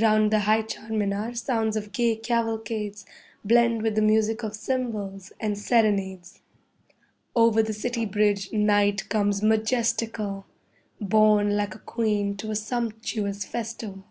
Round the high Char Minar sounds of gay cavalcades Blend with the music of cymbals and serenades. Over the city bridge Night comes majestical, Borne like a queen to a sumptuous festival.